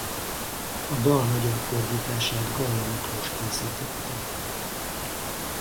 A dal magyar fordítását Galla Miklós készítette.